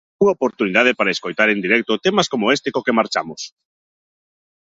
Unha oportunidade para escoitar en directo temas como este co que marchamos.